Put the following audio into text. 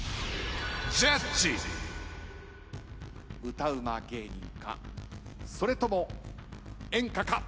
歌ウマ芸人かそれとも演歌か。